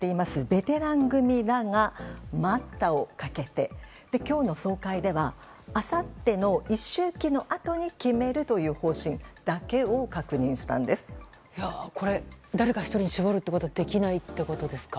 ベテラン組らが待ったをかけて今日の総会では、あさっての一周忌のあとに決める方針だけをこれ、誰か１人に絞ることはできないってことですか？